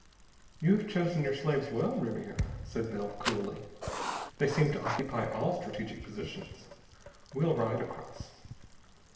"You have chosen your slaves well, Ribiera," said Bell coolly. "They seem to occupy all strategic positions. We'll ride across."